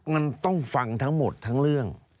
มันต้องฟังทั้งหมดทั้งเรื่อง